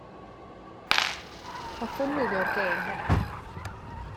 Hoffwn wylio'r gêm heno.